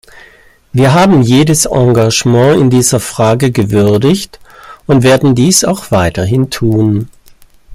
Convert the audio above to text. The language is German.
Wir haben jedes Engagement in dieser Frage gewürdigt und werden dies auch weiterhin tun.